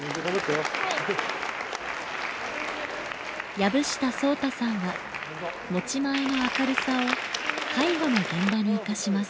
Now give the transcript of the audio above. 薮下颯太さんは持ち前の明るさを介護の現場に生かします。